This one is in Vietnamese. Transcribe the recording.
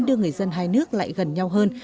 đưa người dân hai nước lại gần nhau hơn